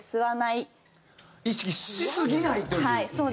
意識しすぎないという。